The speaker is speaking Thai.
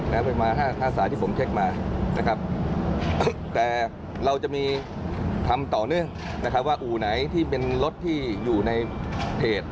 ประมาณห้าห้าสายที่ผมเช็คมานะครับแต่เราจะมีทำต่อเนื่องนะครับว่าอู่ไหนที่เป็นรถที่อยู่ในเพจ